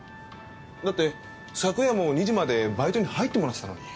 だって昨夜も２時までバイトに入ってもらってたのに。